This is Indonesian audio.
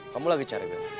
kamu lagi cari bella